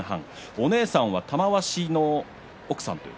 お姉さんは玉鷲の奥さん。